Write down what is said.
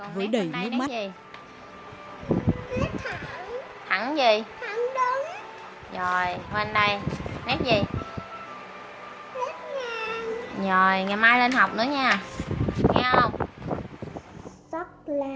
với đầy nước mắt